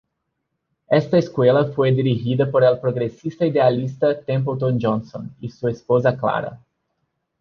Esta escuela fue dirigida por el progresista idealista Templeton Johnson y su esposa Clara.